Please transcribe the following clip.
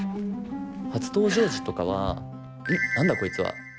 初登場時とかは「うん？何だこいつは。